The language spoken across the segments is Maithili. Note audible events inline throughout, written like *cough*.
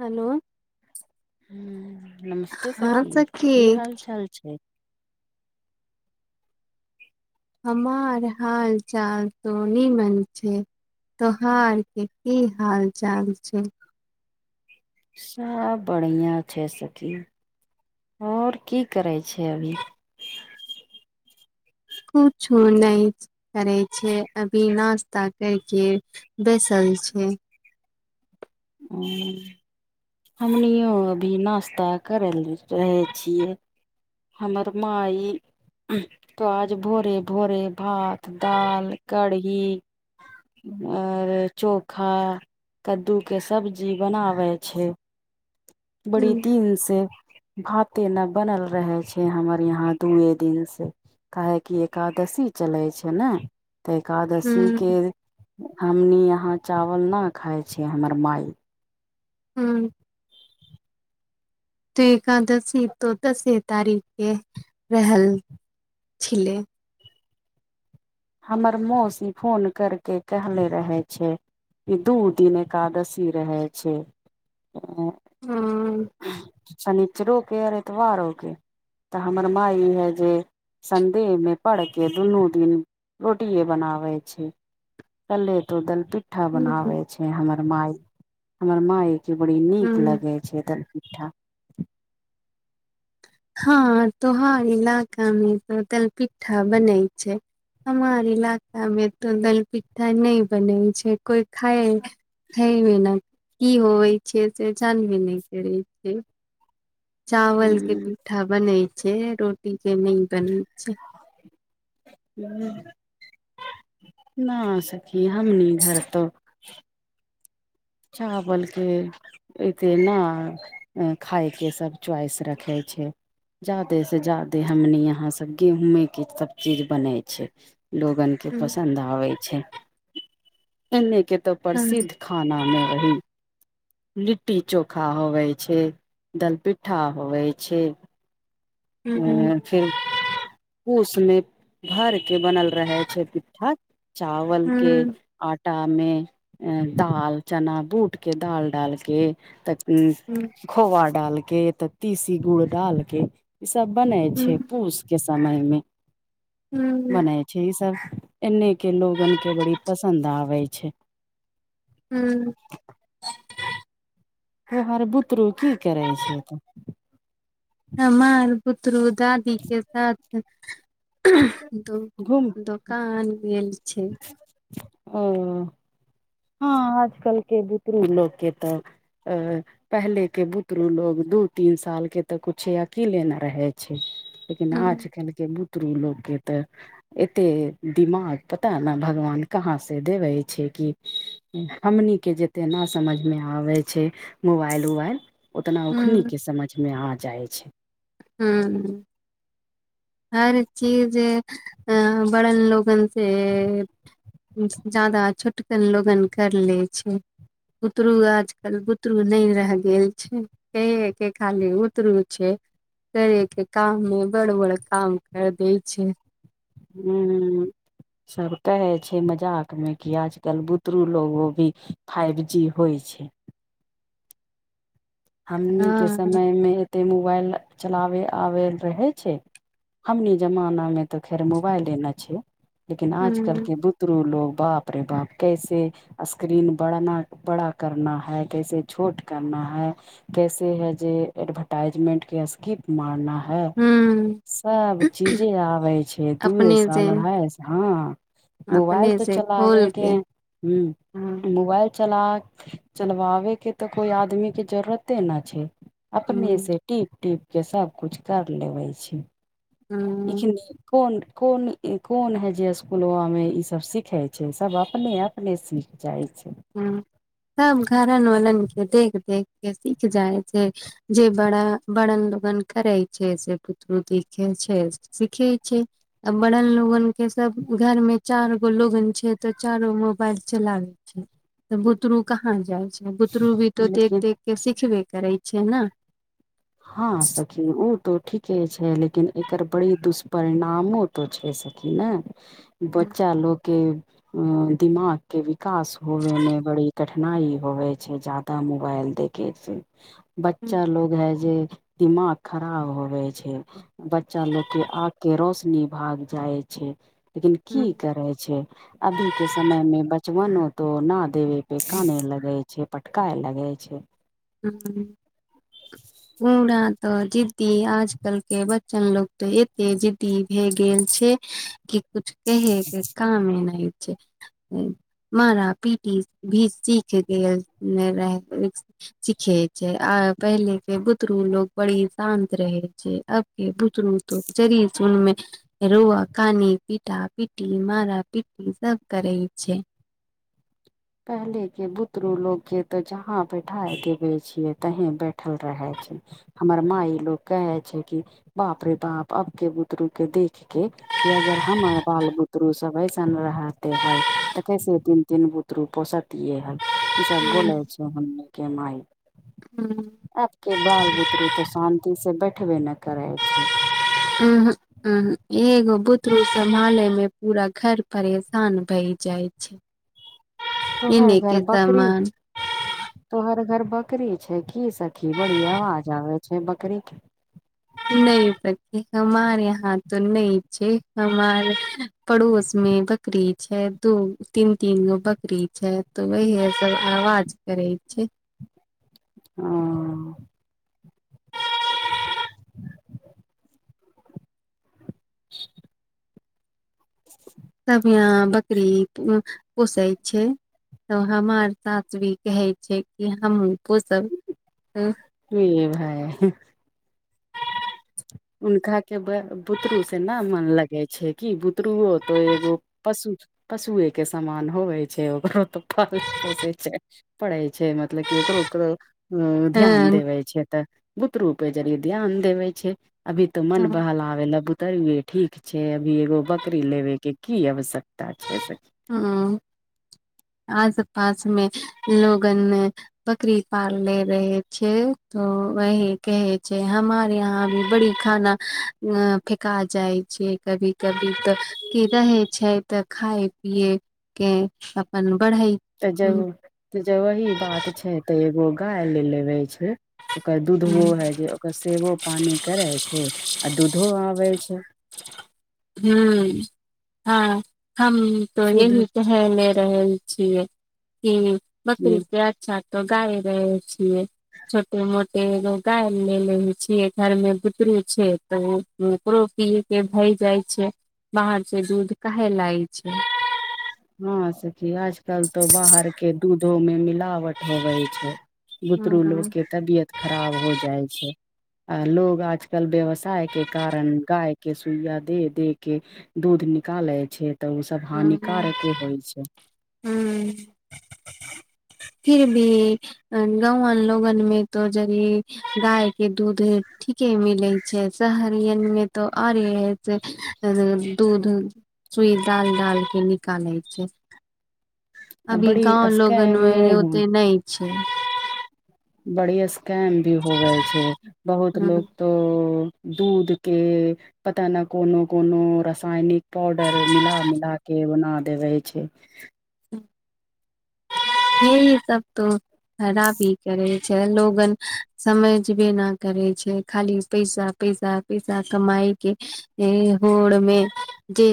हेलो नमस्ते सखी की हाल चाल छै हमर हाल चाल तो नीमन छय त्योहार के की हाल चाल छै सब बढ़िया छै सखी आओर की करै छै अभी कुछो नय अछि करै छियइ अभी नाश्ता करिके बैसल छियै हँ हमनियो अभी नाश्ता करै ल‌ए रहै छियै हमर माई तऽ आज भोरे भोरे भात दाल कढ़ी और चोखा कद्दू के सब्जी बनावे छै *inaudible* बड़ी दिन से भाते न बनल रहय छय हमर यहाँ दूए दिन से काहेकि एकादशी चलै छै ने एकादशी के ह हमनी यहाँ चावल न खाय छी हमर माई हँ तऽ एकादशी तो दसे तारीख के रहल छलै हमर मौसी फोन करके कहले रहै छय दू दिन एकादशी रहै छै हँ शनिचरो के आर एतवारो के तऽ हमर माय ई है जे संदेह मे पर के दुनू दिन रोटिये बनाबै छै कल्हे तो दलपि परठा बनाबै छै हमर माई हमर माई केँ बड़ी नीक ह लगे छै तनि ठा हाॅं तोहार इलाका मे त तलपिठ्ठा बनै छै हमार इलाका मे त दलपिट्ठा नहि बनै छै कोइ खाय खयबे ना की होवे छैै से जानबे नहि करे छियै चावल के पिठा बनै छै रोटी के नै बनै छै ना सखी हमनी घर तो चावल के एते ने अ खायके सभ च्वाइस रखै छै जादे से जादे हमनी यहां सब गेहूंमे के सब चीज बनै छै लोगन के हम्म, पसन्द आबे छै एने के तऽ हाँ, प्रसिद्ध खाना नहि वही लिट्टी चोखा होबै छै दलपिट्ठा होबै छै उ हम्म, फर *unintelligible* पूस मे भर के बनल रहे छै पिठा चावल के हम्म, आटा मे दाल चना बूट के दाल डालके त उ हूँ खोआ डाल के एतऽ तीसी गुड़ डाल के सब बने हम्म, छै पूस समय मे हू बनय छै इ सब एने के लोगन के बड़ी पसन्द आबै छै हूँ हे हर बुतरू की करै छै तऽ हमार बुतरू दादी के साथ दू तऽ घुम दू कान गेल छै ओ हँ आजकल के बुतरू लोक के तऽ अ पहिलेके बुतरू लोग दू तीन साल के तऽ कुछे अकिले नहि रहै छै लेकिन हम्म, आजकल के बुतरू लोक के त एतेक दिमाग पता नहि भगवान कहाँ से देबै छै कि हमनिके जेते ना समझमे आबै छै मोबाइल उबाइल ओतना ओखनी के समझ मे आ जाए छै हूँ हर चीजेऽ अ बड़न लोगन से जादा छोटकन लोगन कर ले छै बुतरू आजकल बुतरू नहि रेह गेल छै हूँ के खाली उतरू छै करे के काम मे उ बरबर काम कर दै छै हू सब कहै छै मजाक मे कि आजकल बुतरू लोग ओ भी फाइव जी होइ छै हमनीके हँ समयमे एतेक मोबाइल चलाबय आबैत रहै छै हमनी जमानामे त खैर मोबाइले ने छै लेकिन आजकल ह के बु तुम लोग बाप रे बाप कैसे स्क्रीन बढ़ना बड़ा करना है कैसे छोट करना है कैसे है जे एडवर्टाइजमेंट के स्किप मारना है ह सब चीजे आबै छै अपने दुए से साल मे हँ मोबाइल अपने त से चलाबे खोल के ह हूँ मोबाइल चला चलवाबे के त कोई आदमी के जरूरते न छै ह अपने से टीप टीप के सब कुछ कर लेवे छै हूँ इच्छुनी कौन कौन कौन हे जे स्कुलवा में ई सब सिखे छै सब अपने अपने सीख जाइ छै ह सब घरन वलन के देख देख के सीख जाइ छै जे बड़ बड़न लगन करै छै से पुत्रू देखि छै सिखे छै आ बड़न लोगन के सब घर मे चार गो लोगन छै त चारो मोबाइल चलाबै छय तऽ बुतरू कहाँ जाइ छय बुतरू भी तो देख लेकिन देख के सिखबे करै छै ने हँ सखी ओ तो ठीके छय लेकिन एकर बड़ी दुष्परिणामो तो छै स की ने बच्चा लोक के दिमाग के विकास होबे में बड़ी कठिनाई होवे छय जादा मोबाइल देखे से बच्चा लोग है जे दिमाग खराब होबे छय बच्चा लोग के आग के रोशनी भाग जाय छै लेकिन की करे छय अभी के समय मे बचवनो तऽ न देवे पे काने लगै छै पटकाए लगै छय हूँ पूरा ते जिद्दी आज कल के बच्चन लोग ते एते जिद्दी भे गेल छय कि कुछ कहेके कामे नइ छय मार पीटी भी सीख गेल न रहबै सिखे छय आ पहिले के बुतरू लोग बड़ी शान्त रहे छै अतनमे *unintelligible* रोआ कानी पीटा पीटी मरा पीटी सब करै छय पहले के बुतरू लोग के तो जहााँ बैठा देवे छिये तहीं बैठल रहे छय हमर माय लोग कहे छै कि बाप रे बाप अबके बुतरू के देख के कि अगर हम बाल बुतरु सबैसन रहते है तऽ कैसे तीन तीन बु पोसतिए ह ई सबब गोलै छ माय हूँ आब के बाल बुतरू त शान्ति से बैठबे ने करे छय अहूँ ह एगो बुतरू सम्हाले में पूरा घर परेशान भय जाइ छय तोहर कीने घर के बकरी सामान तोहर घर बकरी छय की सखी बड़ी अवाज आवै छै बकरी के न पति हमारे यहाँ तऽ न छै हमार पड़ोस में बकरी छय दू तीन तीन गो बकरी छै तो वही सब आवाज करै छय हँ *inaudible* *inaudible* सब यहाँ बकरी पोसै छय तऽ हमार सास भी कहइ छै कि हमो पोसब ह भाय हुनका के बुतरू से न मन लगै छै कि बुतरुओ तो एगो पशु पशुए के समामन होबै छै ओकरो त पाले पोशे छय पढ़ै छय मतलब कि ओकरो ओकरो ध्यान देवे छय तऽ बुत रूपे जरे ध्यान देवे छै अभी तऽ मन बहला आ नबूत तये ठीक छै अभी एगो बकरी लेबे के की आवश्यकता छय सखी हूँ आस पास मे लोगन में बकरी पाल ले रहे छय तो वही कहे छै हमारे यहाँ भी बड़ी खाना फेका जाइ छै कभी कभी तऽ क रहै छै तऽ खाय पिए के अपन बढ़ई त जब वही बात छै त एगो गाय ल लेबे छय ओकर दूधबो हँ होइ छै ओकर सेबो पानि करैत छै आ दूधो आबै छय ह हँ हम त शुद्ध यही कने रहल छियै कि सखी बकरी जैत चा तऽ गाय रहै छियै छोटे मोटे गायल लै ले छियै घरमे गुतरू छै त ओकरो पिये के भई जाय छै बाहर से दूध कहे लाय छै हँ सखी आजकल तो बाहर के दूधो में मिलावट होबै छै हूँ बुतरू लोग के तबियत खराब हो जाइ छै अ लोग आजकल व्यवसाय के कारण गाय के सुइया दे दे के दूध निकालै छै तऽ ओसब हूँ हानिकारके होइ छै हूँ फिर भी गौवन लोगन में तो जड़ी गाय के दूध ठीके मिलै छै शहरियन में मे त आओरे है से दूध सुई डाल डाल के निकालै छै अभी बड़ी गांव लोगन स्कैमो में ओते ने छै बढ़िया स्कैम भी होवे छै बहुत हँ, लोग तो दूध के पता नहि कोनो कोनो रासायनिक पाउडर मिला मिला के बना देबे छै *inaudible* हे ई सब तो खरापी करै छै लोगन समझबी नहि करै छै खाली पैसा पैसा पैसा कमाइ के होड़ मे जे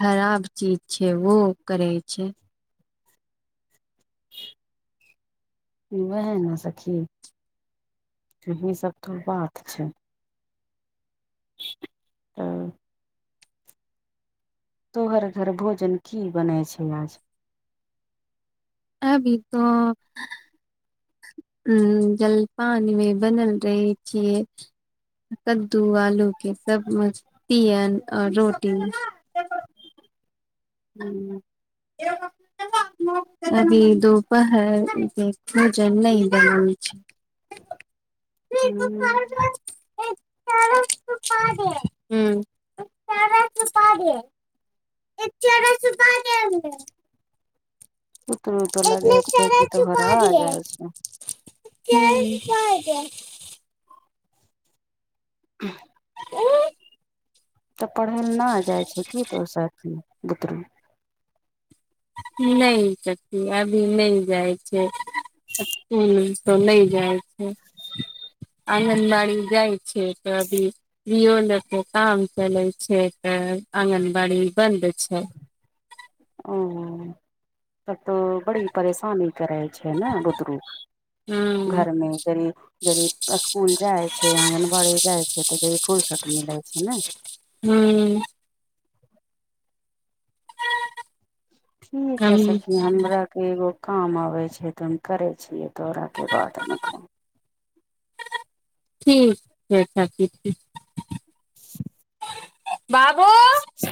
खराब चीज छै ओहो करे छै वएह ने सखी एही सब तो बात छै। हँ तोहर घर भोजन की बनै छै आज अभी तऽ ह जलपानमे बनल रहै छियै कद्दू आलू के सब मस्तियन आओर रोटी हू *inaudible* कभी दोपहर भोजन नहि बनाै छै ह हू *unintelligible* हूं *unintelligible* *unintelligible* पुतरू तो लगे छै कि तोहर आ जाइ छै *unintelligible* ह तऽ पढ़य लए नहि जाइ छै की दोहर साथमे बुतरू नहि चाची अभी नै जाइ छै। एतै त नए जाइ छै आँगनबाड़ी मे जाइ छै तऽ अभी भीओ लेके काम चलैत छै तऽ आङ्गनबाड़ी बन्द छै। ओ तब तऽ बड़ी परेशानी करै छै ने बुदरू। हूँ घरमे जरी चलीये जेदी स्कूल जाइ छै आँगनबाड़ी जाइ छै तऽ जे कनि फुरर्सत मिलै छै ने हू ठीक है हम सखी हमरा एगो काम आबै छै तऽ हम करै छियै दौड़ाके बाद हम काम ठीक छै छची ठ *inaudible* *inaudible* *unintelligible* बाबु ह